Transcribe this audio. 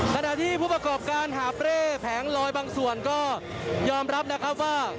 ขณะที่ผู้ประกอบการหาเปร่แผงลอยบางส่วนก็ยอมรับนะครับว่า